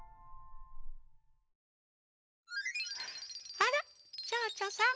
あらちょうちょさん！